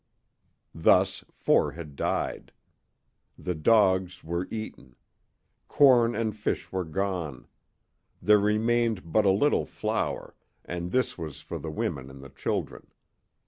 Thus four had died. The dogs were eaten. Corn and fish were gone; there remained but a little flour, and this was for the women and the children.